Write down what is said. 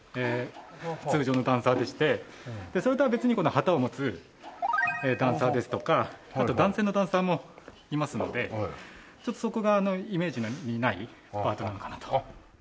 通常のダンサーでしてそれとは別にこの旗を持つダンサーですとかあと男性のダンサーもいますのでちょっとそこがイメージにないパートなのかなと。